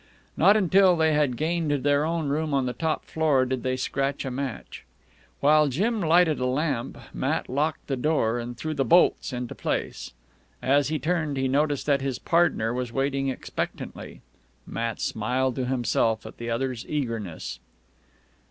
Not until they had gained their own room on the top floor, did they scratch a match. While Jim lighted a lamp, Matt locked the door and threw the bolts into place. As he turned, he noticed that his partner was waiting expectantly. Matt smiled to himself at the other's eagerness.